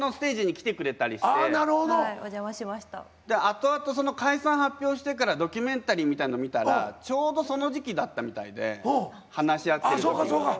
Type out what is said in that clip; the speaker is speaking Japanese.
後々その解散発表してからドキュメンタリーみたいの見たらちょうどその時期だったみたいで話し合ってる時が。